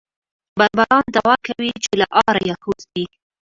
بربران دعوه کوي چې له آره یهود دي.